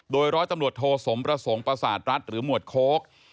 โดยร้อยตำรวจโทสมประสงค์ประสาทรัฐหรือหมวดโค้ก